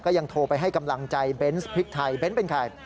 ยังโทรไปให้กำลังใจเบนส์พริกไทยเบ้นเป็นใคร